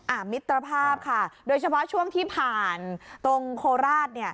มิตรภาพค่ะโดยเฉพาะช่วงที่ผ่านตรงโคราชเนี่ย